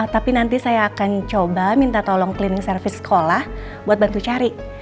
tapi nanti saya akan coba minta tolong cleaning service sekolah buat bantu cari